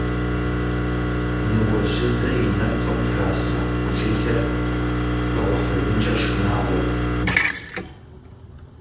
Ныуэжьыдзэ и нэпкъым траса ху жылэр хэгъухьыжынкӏэ шынагъуэт.